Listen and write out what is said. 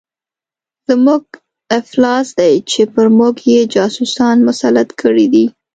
زموږ افلاس دی چې پر موږ یې جاسوسان مسلط کړي دي.